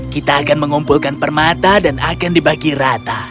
kita akan mengumpulkan permata dan akan dibagi rata